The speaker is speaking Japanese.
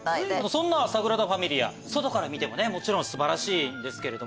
そんなサグラダ・ファミリア外から見ても素晴らしいですけど。